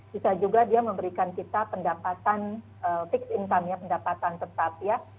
bisa juga dia memberikan kita pendapatan fixed income ya pendapatan tetap ya